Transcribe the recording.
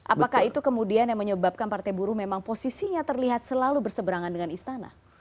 apakah itu kemudian yang menyebabkan partai buruh memang posisinya terlihat selalu berseberangan dengan istana